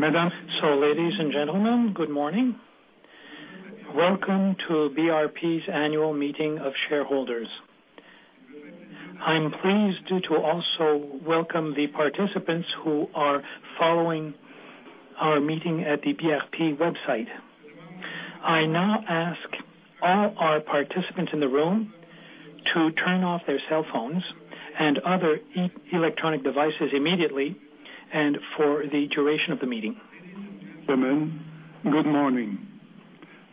Ladies and gentlemen, good morning. Welcome to BRP's annual meeting of shareholders. I'm pleased to also welcome the participants who are following our meeting at the brp website. I now ask all our participants in the room to turn off their cellphones and other electronic devices immediately and for the duration of the meeting. Ladies and gentlemen, good morning.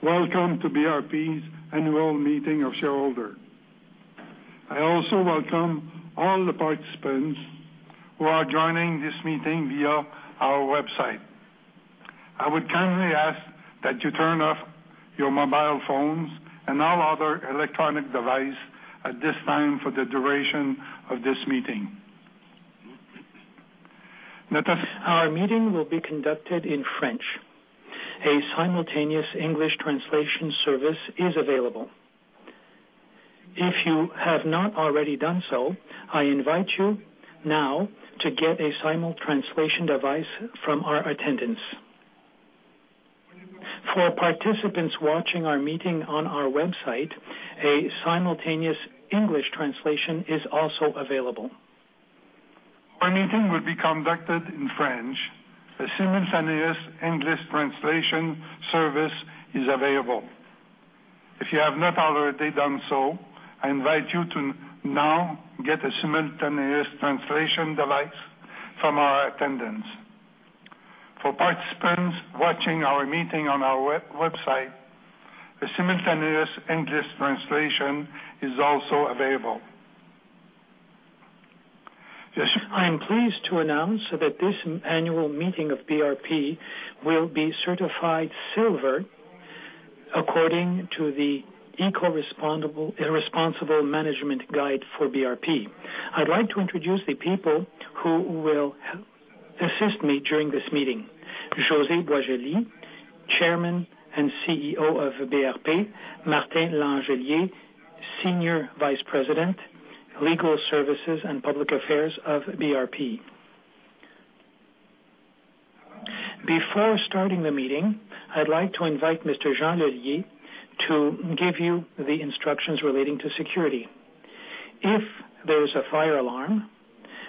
Welcome to BRP's annual meeting of shareholders. I also welcome all the participants who are joining this meeting via our website. I would kindly ask that you turn off your mobile phones and all other electronic device at this time for the duration of this meeting. Our meeting will be conducted in French. A simultaneous English translation service is available. If you have not already done so, I invite you now to get a simul translation device from our attendants. For participants watching our meeting on our website, a simultaneous English translation is also available. Our meeting will be conducted in French. A simultaneous English translation service is available. If you have not already done so, I invite you to now get a simultaneous translation device from our attendants. For participants watching our meeting on our website, the simultaneous English translation is also available. I'm pleased to announce that this annual meeting of BRP will be certified silver according to the eco-responsible management guide for BRP. I'd like to introduce the people who will assist me during this meeting. José Boisjoli, Chairman and CEO of BRP, Martin Langelier, Senior Vice-President, Legal Services and Public Affairs of BRP. Before starting the meeting, I'd like to invite Mr. Jean Lelier to give you the instructions relating to security. If there is a fire alarm,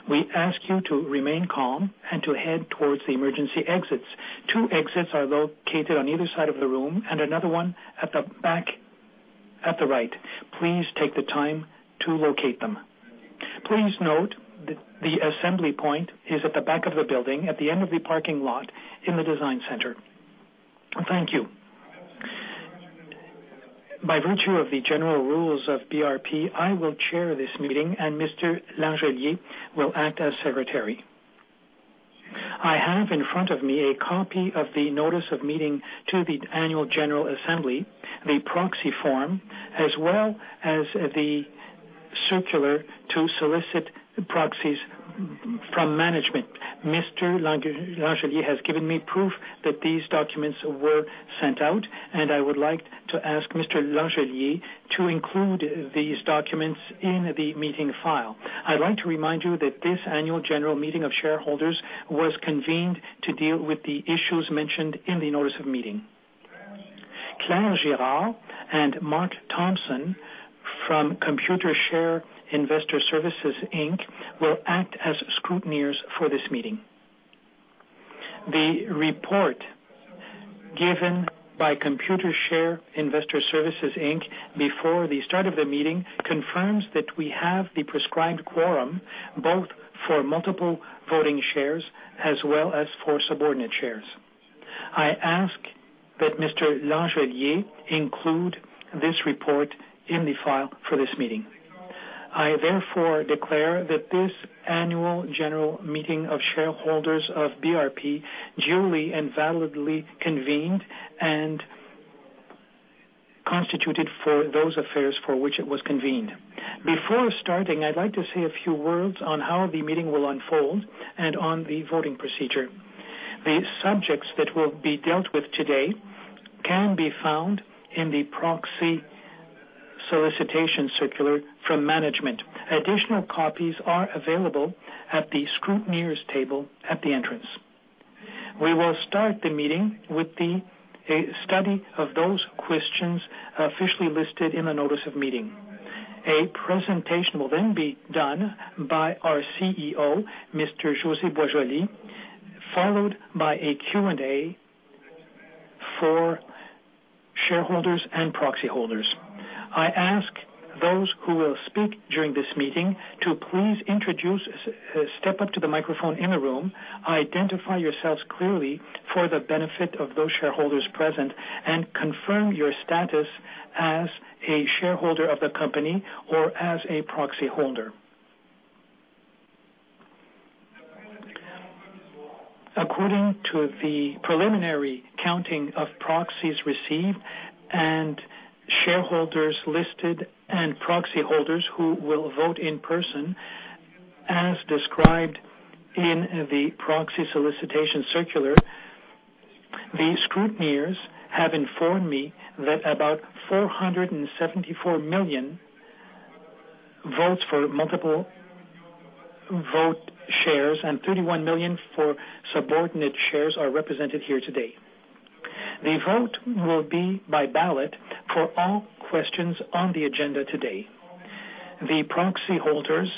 we ask you to remain calm and to head towards the emergency exits. Two exits are located on either side of the room and another one at the back at the right. Please take the time to locate them. Please note that the assembly point is at the back of the building at the end of the parking lot in the design center. Thank you. By virtue of the general rules of BRP, I will chair this meeting and Mr. Langelier will act as secretary. I have in front of me a copy of the notice of meeting to the annual general assembly, the proxy form, as well as the circular to solicit proxies from management. Mr. Langelier has given me proof that these documents were sent out, and I would like to ask Mr. Langelier to include these documents in the meeting file. I'd like to remind you that this annual general meeting of shareholders was convened to deal with the issues mentioned in the notice of meeting. Claire Girard and Mark Thompson from Computershare Investor Services Inc. will act as scrutineers for this meeting. The report given by Computershare Investor Services Inc. before the start of the meeting confirms that we have the prescribed quorum, both for multiple voting shares as well as for subordinate shares. I ask that Mr. Langelier include this report in the file for this meeting. I therefore declare that this annual general meeting of shareholders of BRP duly and validly convened and constituted for those affairs for which it was convened. Before starting, I'd like to say a few words on how the meeting will unfold and on the voting procedure. The subjects that will be dealt with today can be found in the proxy solicitation circular from management. Additional copies are available at the scrutineers table at the entrance. We will start the meeting with the study of those questions officially listed in the notice of meeting. A presentation will then be done by our CEO, Mr. José Boisjoli, followed by a Q&A for shareholders and proxy holders. I ask those who will speak during this meeting to please step up to the microphone in the room, identify yourselves clearly for the benefit of those shareholders present, and confirm your status as a shareholder of the company or as a proxy holder. According to the preliminary counting of proxies received and shareholders listed and proxy holders who will vote in person as described in the proxy solicitation circular, the scrutineers have informed me that about 474 million votes for multiple vote shares and 31 million for subordinate shares are represented here today. The vote will be by ballot for all questions on the agenda today. The proxy holders,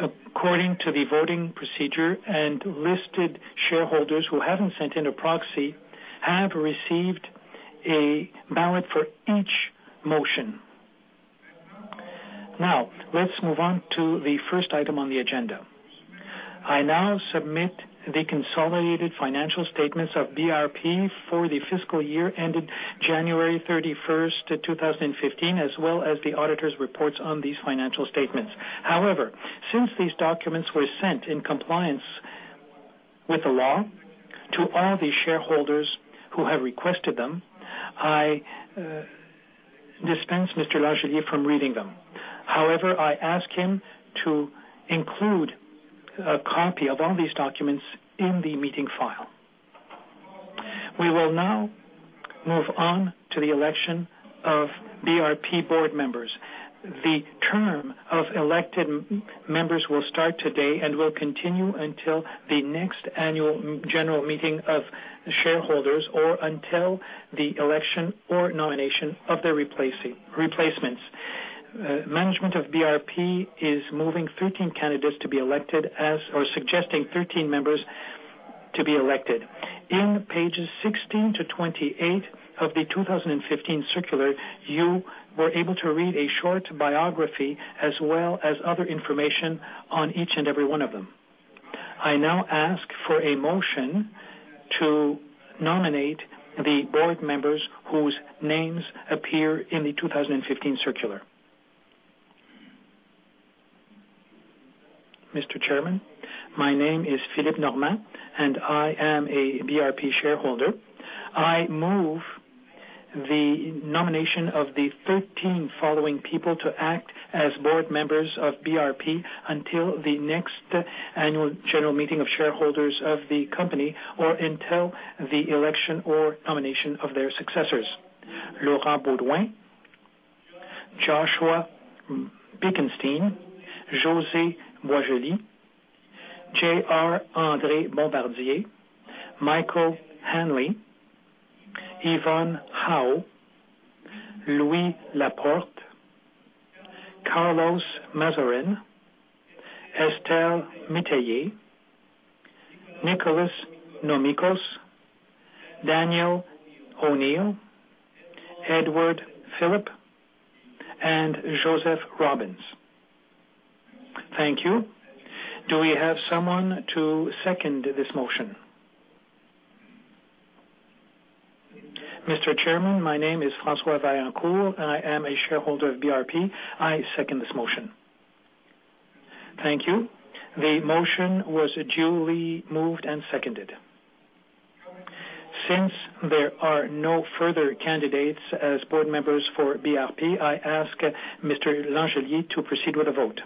according to the voting procedure, and listed shareholders who haven't sent in a proxy, have received a ballot for each motion. Let's move on to the first item on the agenda. I now submit the consolidated financial statements of BRP for the fiscal year ended January 31st, 2015, as well as the auditors' reports on these financial statements. However, since these documents were sent in compliance with the law to all the shareholders who have requested them, I dispense Mr. Langelier from reading them. However, I ask him to include a copy of all these documents in the meeting file. We will now move on to the election of BRP board members. The term of elected members will start today and will continue until the next annual general meeting of shareholders or until the election or nomination of their replacements. Management of BRP is moving 13 candidates to be elected, or suggesting 13 members to be elected. In pages 16 to 28 of the 2015 circular, you were able to read a short biography as well as other information on each and every one of them. I now ask for a motion to nominate the board members whose names appear in the 2015 circular. Mr. Chairman, my name is Philippe Normand, and I am a BRP shareholder. I move the nomination of the 13 following people to act as board members of BRP until the next annual general meeting of shareholders of the company or until the election or nomination of their successors. Laurent Beaudoin, Joshua Bekenstein, José Boisjoli, J.R. André Bombardier, Michael Hanley, Yvonne Hao, Louis Laporte, Carlos Mazzorin, Estelle Métayer, Nicholas Nomicos, Daniel O'Neill, Edward Philip, and Joseph Robbins. Thank you. Do we have someone to second this motion? Mr. Chairman, my name is François Vaillancourt, and I am a shareholder of BRP. I second this motion. Thank you. The motion was duly moved and seconded. Since there are no further candidates as board members for BRP, I ask Mr. Langelier to proceed with the vote.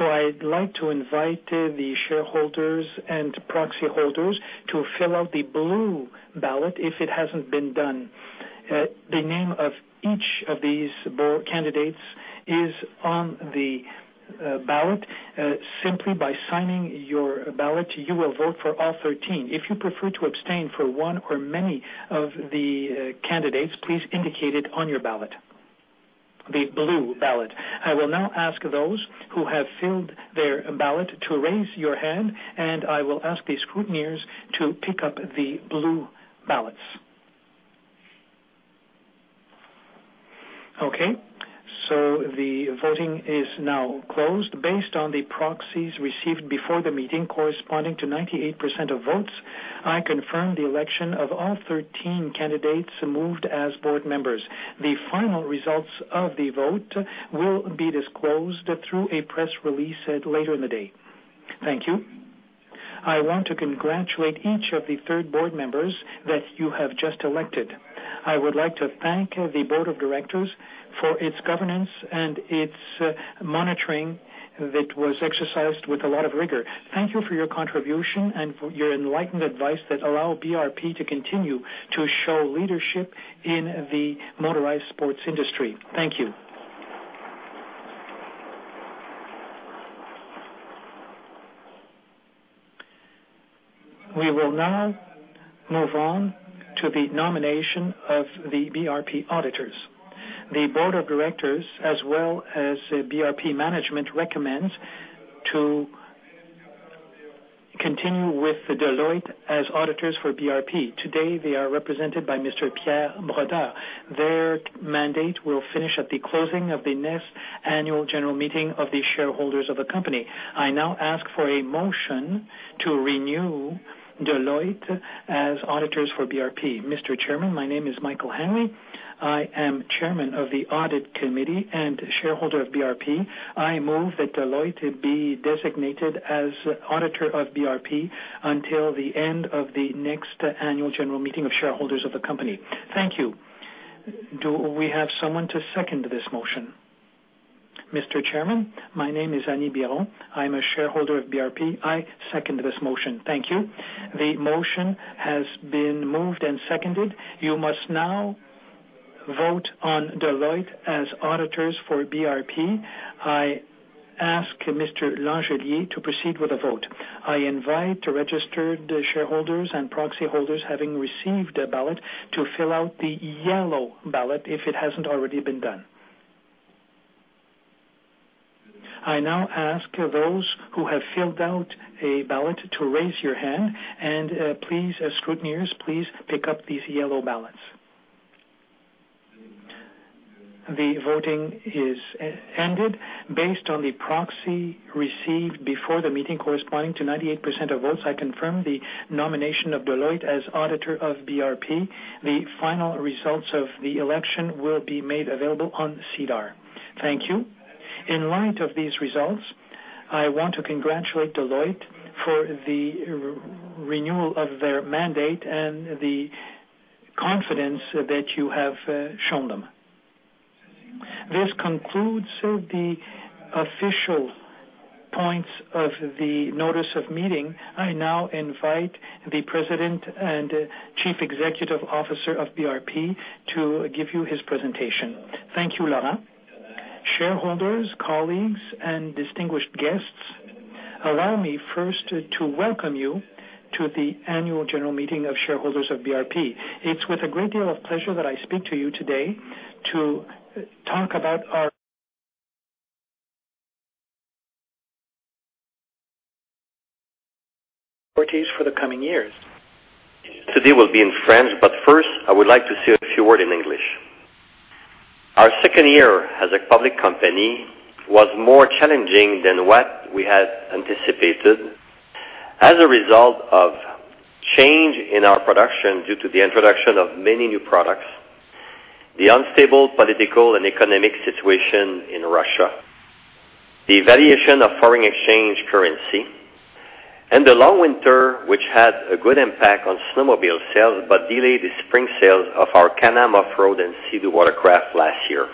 I'd like to invite the shareholders and proxy holders to fill out the blue ballot, if it hasn't been done. The name of each of these board candidates is on the ballot. Simply by signing your ballot, you will vote for all 13. If you prefer to abstain for one or many of the candidates, please indicate it on your ballot. The blue ballot. I will now ask those who have filled their ballot to raise your hand, and I will ask the scrutineers to pick up the blue ballots. The voting is now closed. Based on the proxies received before the meeting, corresponding to 98% of votes, I confirm the election of all 13 candidates moved as board members. The final results of the vote will be disclosed through a press release later in the day. Thank you. I want to congratulate each of the 13 board members that you have just elected. I would like to thank the board of directors for its governance and its monitoring that was exercised with a lot of rigor. Thank you for your contribution and for your enlightened advice that allow BRP to continue to show leadership in the motorized sports industry. Thank you. We will now move on to the nomination of the BRP auditors. The board of directors, as well as BRP management, recommends to continue with Deloitte as auditors for BRP. Today, they are represented by Mr. Pierre Brodeur. Their mandate will finish at the closing of the next annual general meeting of the shareholders of the company. I now ask for a motion to renew Deloitte as auditors for BRP. Mr. Chairman, my name is Michael Hanley. I am chairman of the audit committee and shareholder of BRP. I move that Deloitte be designated as auditor of BRP until the end of the next annual general meeting of shareholders of the company. Thank you. Do we have someone to second this motion? Mr. Chairman, my name is Annie Biron. I am a shareholder of BRP. I second this motion. Thank you. The motion has been moved and seconded. You must now vote on Deloitte as auditors for BRP. I ask Mr. Langelier to proceed with the vote. I invite registered shareholders and proxy holders having received a ballot to fill out the yellow ballot if it hasn't already been done. I now ask those who have filled out a ballot to raise your hand, and please, scrutineers, please pick up these yellow ballots. The voting is ended. Based on the proxy received before the meeting corresponding to 98% of votes, I confirm the nomination of Deloitte as auditor of BRP. The final results of the election will be made available on SEDAR. Thank you. In light of these results, I want to congratulate Deloitte for the renewal of their mandate and the confidence that you have shown them. This concludes the official points of the notice of meeting. I now invite the President and Chief Executive Officer of BRP to give you his presentation. Thank you, Laurent. Shareholders, colleagues, and distinguished guests, allow me first to welcome you to the annual general meeting of shareholders of BRP. It's with a great deal of pleasure that I speak to you today to talk about our priorities for the coming years. Today will be in French, but first, I would like to say a few word in English. Our second year as a public company was more challenging than what we had anticipated as a result of change in our production due to the introduction of many new products, the unstable political and economic situation in Russia, the valuation of foreign exchange currency, and the long winter, which had a good impact on snowmobile sales but delayed the spring sales of our Can-Am Off-Road and Sea-Doo Watercraft last year.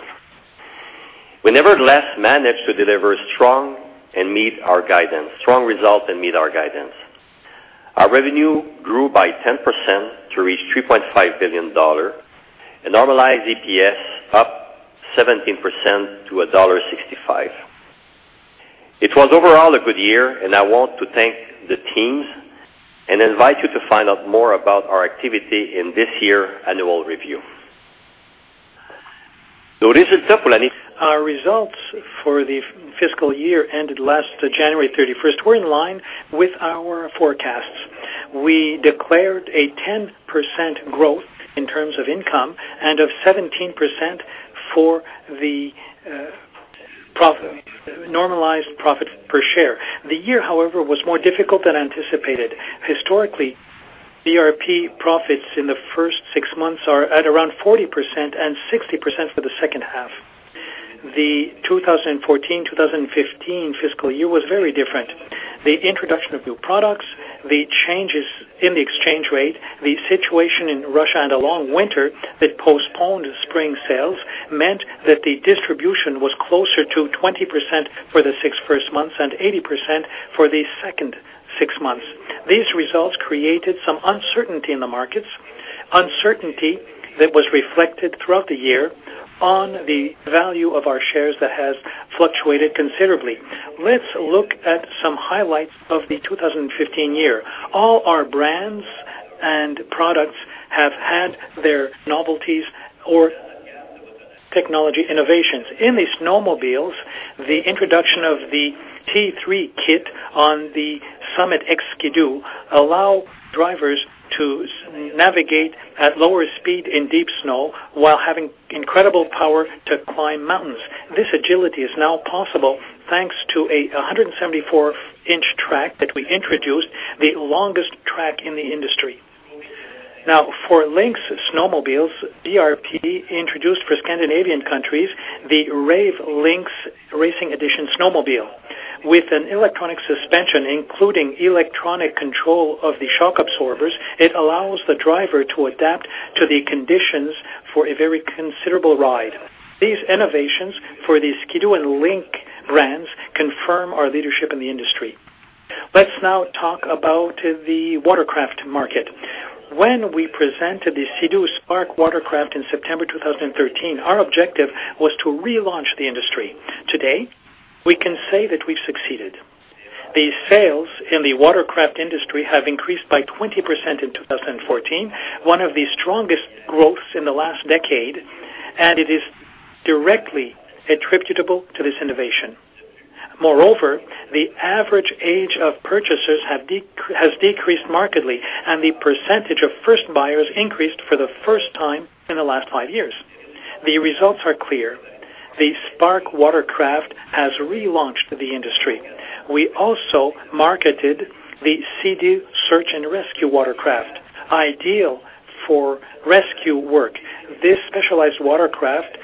We nevertheless managed to deliver strong results and meet our guidance. Our revenue grew by 10% to reach 3.5 billion dollar. A normalized EPS up 17% to dollar 1.65. It was overall a good year, and I want to thank the teams and invite you to find out more about our activity in this year annual review. Our results for the fiscal year ended last January 31st were in line with our forecasts. We declared a 10% growth in terms of income and of 17% for the normalized profit per share. The year, however, was more difficult than anticipated. Historically, BRP profits in the first six months are at around 40% and 60% for the second half. The 2014-2015 fiscal year was very different. The introduction of new products, the changes in the exchange rate, the situation in Russia, and a long winter that postponed spring sales meant that the distribution was closer to 20% for the six first months and 80% for the second six months. These results created some uncertainty in the markets, uncertainty that was reflected throughout the year on the value of our shares that has fluctuated considerably. Let's look at some highlights of the 2015 year. All our brands and products have had their novelties or technology innovations. In the snowmobiles, the introduction of the T3 kit on the Summit X Ski-Doo allow drivers to navigate at lower speed in deep snow while having incredible power to climb mountains. This agility is now possible thanks to a 174-inch track that we introduced, the longest track in the industry. For Lynx Snowmobiles, BRP introduced for Scandinavian countries, the Lynx Rave RE snowmobile. With an electronic suspension, including electronic control of the shock absorbers, it allows the driver to adapt to the conditions for a very considerable ride. These innovations for the Ski-Doo and Lynx brands confirm our leadership in the industry. Let's now talk about the watercraft market. When we presented the Sea-Doo Spark Watercraft in September 2013, our objective was to relaunch the industry. Today, we can say that we've succeeded. The sales in the watercraft industry have increased by 20% in 2014, one of the strongest growths in the last decade, and it is directly attributable to this innovation. Moreover, the average age of purchasers has decreased markedly, and the percentage of first buyers increased for the first time in the last five years. The results are clear. The Spark Watercraft has relaunched the industry. We also marketed the Sea-Doo Search and Rescue Watercraft, ideal for rescue work. This specialized watercraft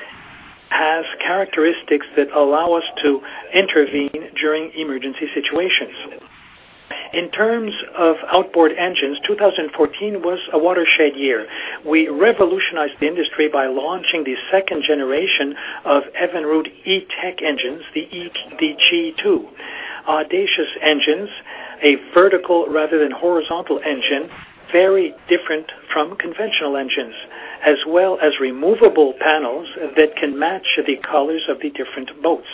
has characteristics that allow us to intervene during emergency situations. In terms of outboard engines, 2014 was a watershed year. We revolutionized the industry by launching the second generation of Evinrude E-TEC engines, the E-TEC G2. Audacious engines, a vertical rather than horizontal engine, very different from conventional engines, as well as removable panels that can match the colors of the different boats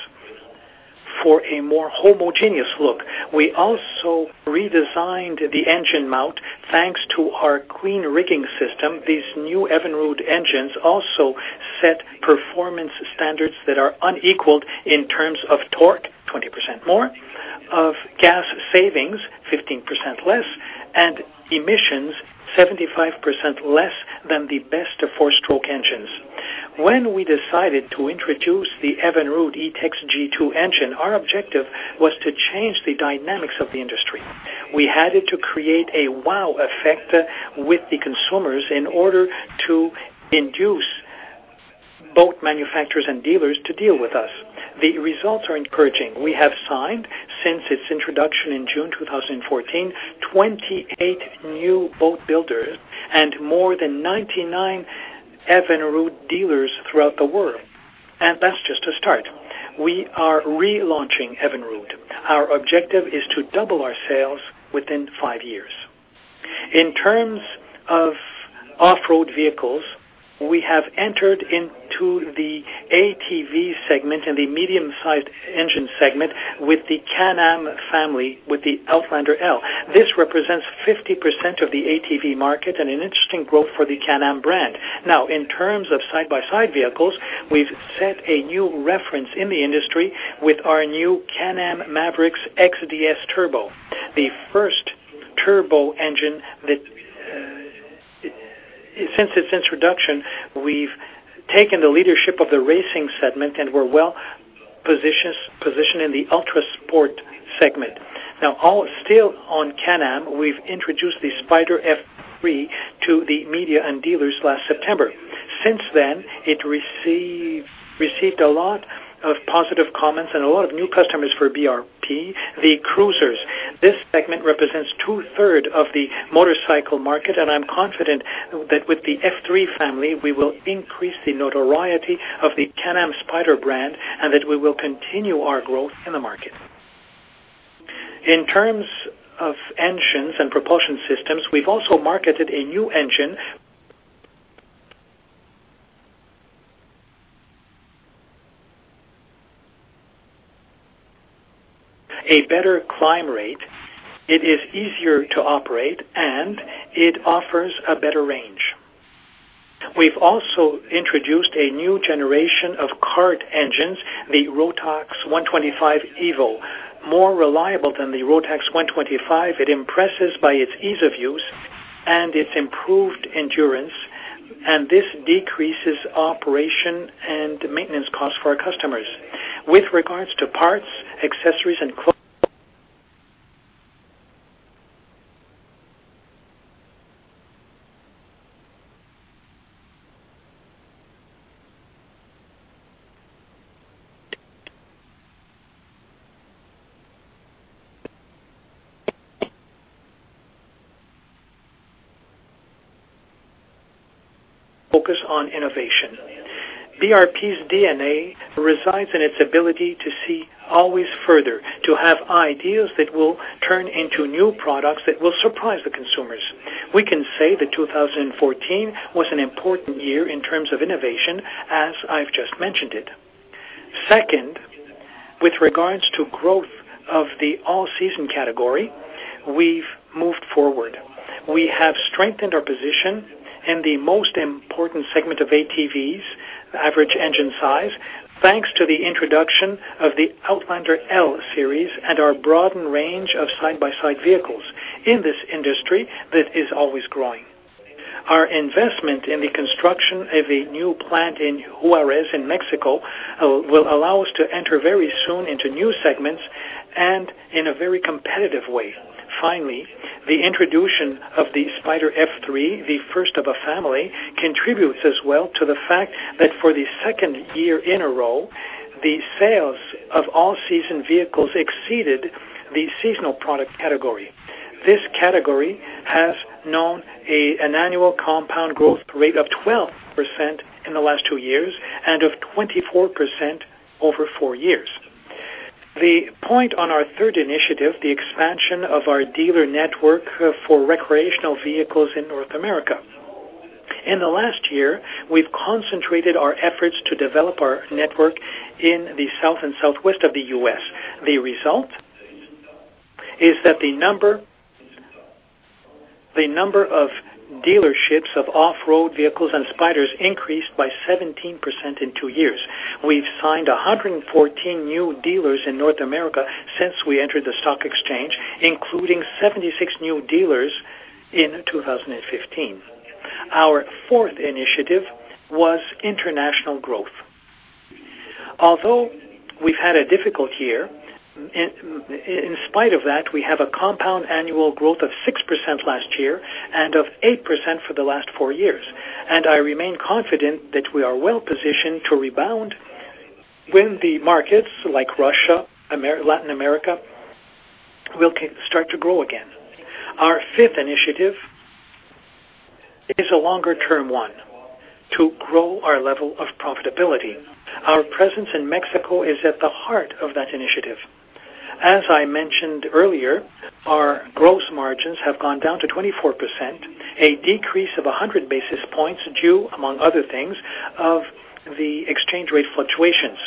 for a more homogeneous look. We also redesigned the engine mount thanks to our clean rigging system. These new Evinrude engines also set performance standards that are unequaled in terms of torque, 20% more, of gas savings, 15% less, and emissions, 75% less than the best of four-stroke engines. When we decided to introduce the Evinrude E-TEC G2 engine, our objective was to change the dynamics of the industry. We had to create a wow effect with the consumers in order to induce boat manufacturers and dealers to deal with us. The results are encouraging. We have signed, since its introduction in June 2014, 28 new boat builders and more than 99 Evinrude dealers throughout the world, and that's just a start. We are relaunching Evinrude. Our objective is to double our sales within five years. In terms of off-road vehicles, we have entered into the ATV segment and the medium-sized engine segment with the Can-Am family, with the Outlander L. This represents 50% of the ATV market and an interesting growth for the Can-Am brand. In terms of side-by-side vehicles, we've set a new reference in the industry with our new Can-Am Maverick X ds Turbo, the first turbo engine. Since its introduction, we've taken the leadership of the racing segment, and we're well-positioned in the ultra-sport segment. Still on Can-Am, we've introduced the Spyder F3 to the media and dealers last September. Since then, it received a lot of positive comments and a lot of new customers for BRP. The cruisers. This segment represents two-third of the motorcycle market. I'm confident that with the F3 family, we will increase the notoriety of the Can-Am Spyder brand, that we will continue our growth in the market. In terms of engines and propulsion systems, we've also marketed a new engine. A better climb rate, it is easier to operate, and it offers a better range. We've also introduced a new generation of kart engines, the Rotax 125 Evo. More reliable than the Rotax 125, it impresses by its ease of use and its improved endurance, and this decreases operation and maintenance costs for our customers. With regards to parts, accessories, and Focus on innovation. BRP's DNA resides in its ability to see always further, to have ideas that will turn into new products that will surprise the consumers. We can say that 2014 was an important year in terms of innovation, as I've just mentioned it. Second, with regards to growth of the all-season category, we've moved forward. We have strengthened our position in the most important segment of ATVs, average engine size, thanks to the introduction of the Outlander L series and our broadened range of side-by-side vehicles in this industry that is always growing. Our investment in the construction of a new plant in Juarez in Mexico will allow us to enter very soon into new segments and in a very competitive way. Finally, the introduction of the Spyder F3, the first of a family, contributes as well to the fact that for the second year in a row, the sales of all-season vehicles exceeded the seasonal product category. This category has known an annual compound growth rate of 12% in the last two years and of 24% over four years. The point on our third initiative, the expansion of our dealer network for recreational vehicles in North America. In the last year, we've concentrated our efforts to develop our network in the South and Southwest of the U.S. The result is that the number of dealerships of off-road vehicles and Spyders increased by 17% in two years. We've signed 114 new dealers in North America since we entered the stock exchange, including 76 new dealers in 2015. Our fourth initiative was international growth. Although we've had a difficult year, in spite of that, we have a compound annual growth of 6% last year and of 8% for the last four years. I remain confident that we are well-positioned to rebound when the markets like Russia, Latin America, will start to grow again. Our fifth initiative is a longer term one to grow our level of profitability. Our presence in Mexico is at the heart of that initiative. As I mentioned earlier, our gross margins have gone down to 24%, a decrease of 100 basis points due, among other things, of the exchange rate fluctuations.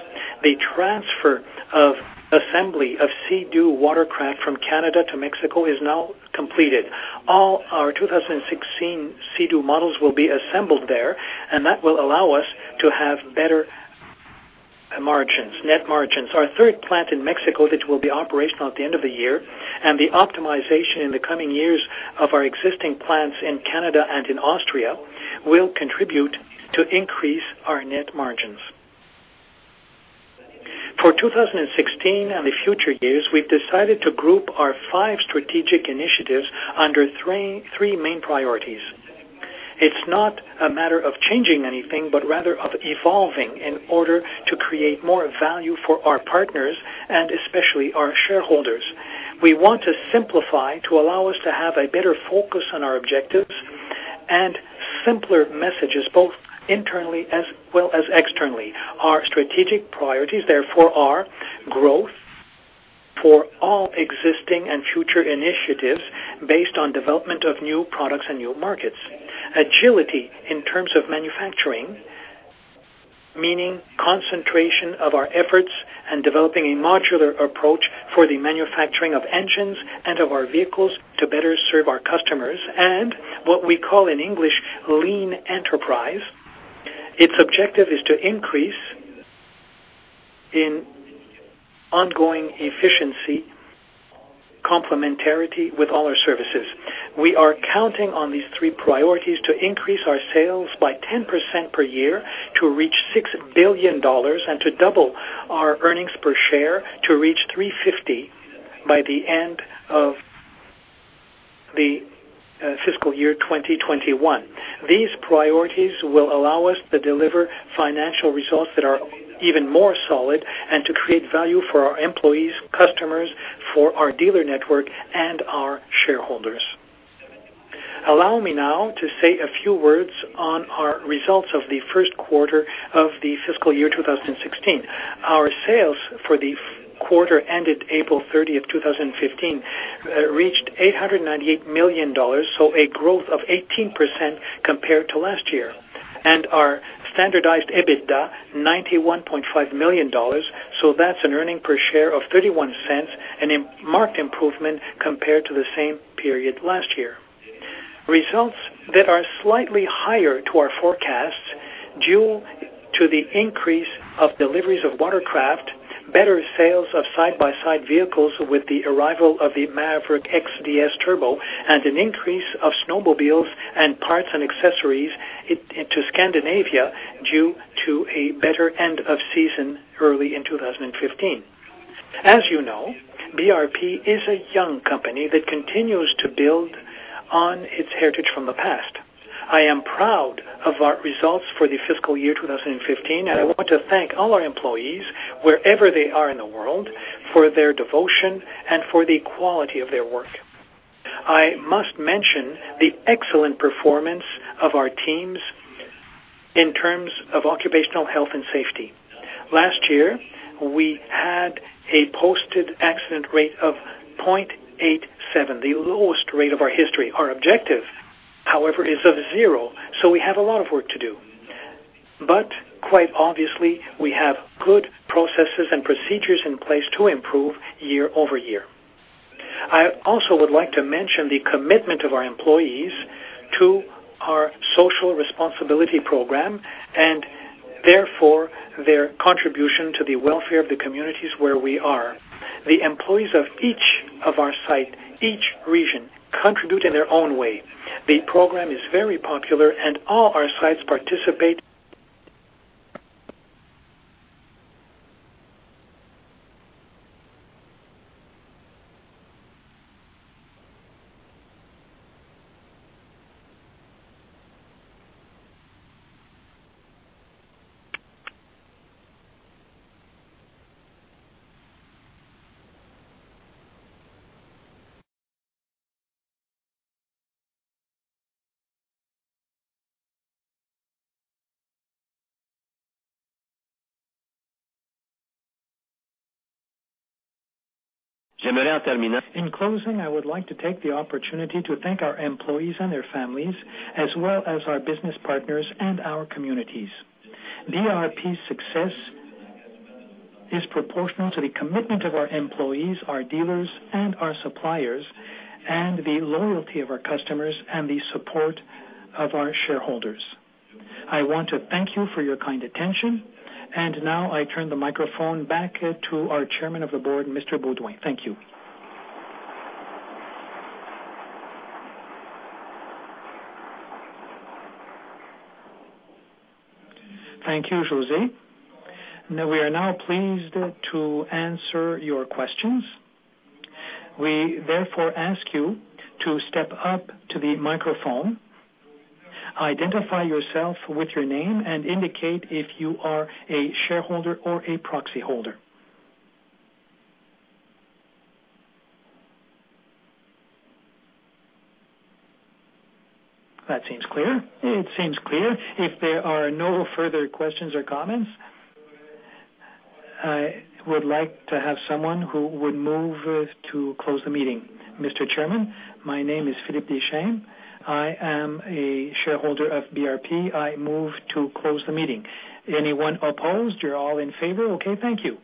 The transfer of assembly of Sea-Doo watercraft from Canada to Mexico is now completed. All our 2016 Sea-Doo models will be assembled there. That will allow us to have better margins, net margins. Our third plant in Mexico, which will be operational at the end of the year, the optimization in the coming years of our existing plants in Canada and in Austria will contribute to increase our net margins. For 2016 and the future years, we've decided to group our five strategic initiatives under three main priorities. It's not a matter of changing anything, but rather of evolving in order to create more value for our partners and especially our shareholders. We want to simplify to allow us to have a better focus on our objectives and simpler messages, both internally as well as externally. Our strategic priorities, therefore, are growth for all existing and future initiatives based on development of new products and new markets. Agility in terms of manufacturing, meaning concentration of our efforts and developing a modular approach for the manufacturing of engines and of our vehicles to better serve our customers. What we call in English, lean enterprise. Its objective is to increase in ongoing efficiency, complementarity with all our services. We are counting on these three priorities to increase our sales by 10% per year to reach 6 billion dollars and to double our earnings per share to reach 3.50 by the end of the fiscal year 2021. These priorities will allow us to deliver financial results that are even more solid and to create value for our employees, customers, for our dealer network, and our shareholders. Allow me now to say a few words on our results of the first quarter of the fiscal year 2016. Our sales for the quarter ended April 30th, 2015, reached 898 million dollars, a growth of 18% compared to last year. Our standardized EBITDA, 91.5 million dollars, that's an earnings per share of 0.31, a marked improvement compared to the same period last year. Results that are slightly higher to our forecasts due to the increase of deliveries of watercraft, better sales of side-by-side vehicles with the arrival of the Maverick X ds Turbo, an increase of snowmobiles and parts and accessories into Scandinavia due to a better end of season early in 2015. As you know, BRP is a young company that continues to build on its heritage from the past. I am proud of our results for the fiscal year 2015. I want to thank all our employees, wherever they are in the world, for their devotion and for the quality of their work. I must mention the excellent performance of our teams in terms of occupational health and safety. Last year, we had a posted accident rate of 0.87, the lowest rate of our history. Our objective, however, is of zero, so we have a lot of work to do. Quite obviously, we have good processes and procedures in place to improve year-over-year. I also would like to mention the commitment of our employees to our social responsibility program, and therefore, their contribution to the welfare of the communities where we are. The employees of each of our site, each region, contribute in their own way. The program is very popular and all our sites participate. In closing, I would like to take the opportunity to thank our employees and their families, as well as our business partners and our communities. BRP's success is proportional to the commitment of our employees, our dealers, and our suppliers, and the loyalty of our customers, and the support of our shareholders. I want to thank you for your kind attention. Now I turn the microphone back to our chairman of the board, Mr. Beaudoin. Thank you. Thank you, José. We are now pleased to answer your questions. We therefore ask you to step up to the microphone, identify yourself with your name, and indicate if you are a shareholder or a proxy holder. That seems clear. It seems clear. If there are no further questions or comments, I would like to have someone who would move to close the meeting. Mr. Chairman, my name is Philippe Deschênes. I am a shareholder of BRP. I move to close the meeting. Anyone opposed? You're all in favor? Okay, thank you.